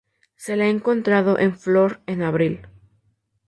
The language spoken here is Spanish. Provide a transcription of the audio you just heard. Se le ha encontrado en flor en abril.